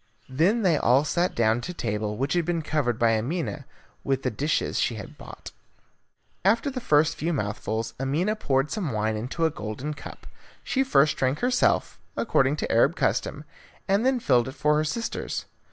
Then they all sat down to table, which had been covered by Amina with the dishes she had bought. After the first few mouthfuls Amina poured some wine into a golden cup. She first drank herself, according to the Arab custom, and then filled it for her sisters.